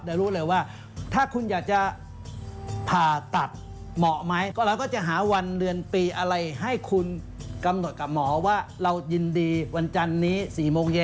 รู้เลยว่าถ้าคุณอยากจะผ่าตัดเหมาะไหมก็เราก็จะหาวันเดือนปีอะไรให้คุณกำหนดกับหมอว่าเรายินดีวันจันนี้๔โมงเย็น